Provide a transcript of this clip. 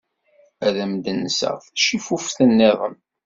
Ad am-d-nseɣ tacifuft niḍen.